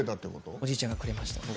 おじいちゃんがくれました。